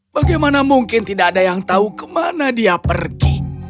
bagaimana mungkin tidak ada yang tahu kemana dia pergi